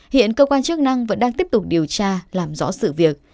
hiện cơ quan chức năng vẫn đang tiếp tục điều tra làm rõ sự việc